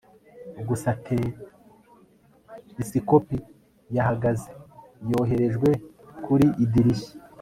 gusa telesikope yahagaze yoherejwe kuri idirishya